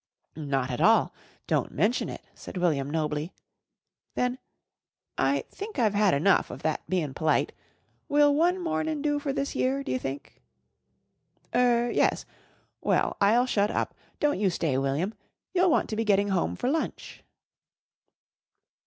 "Not at all. Don't menshun it," said William nobly. Then, "I think I've had enough of that bein' p'lite. Will one mornin' do for this year, d'you think?" "Er yes. Well, I'll shut up. Don't you stay, William. You'll want to be getting home for lunch."